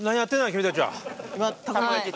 君たちは。